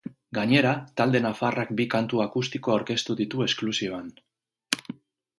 Gainera, talde nafarrak bi kantu akustiko aurkeztu ditu esklusiban.